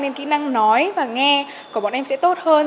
nên kỹ năng nói và nghe của bọn em sẽ tốt hơn